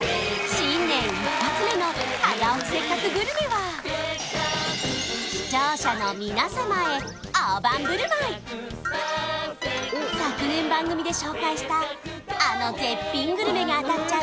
新年一発目の「早起きせっかくグルメ！！」は昨年番組で紹介したあの絶品グルメが当たっちゃう